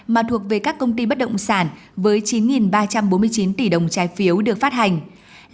mà thuộc về các công ty bất động sản với chín ba trăm bốn mươi chín tỷ đồng trái phiếu được phát hành